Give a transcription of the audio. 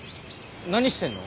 何してんの？